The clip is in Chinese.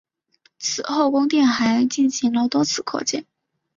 此后宫殿还进行了多次扩建。